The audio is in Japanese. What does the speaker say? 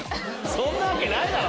そんなわけないだろ！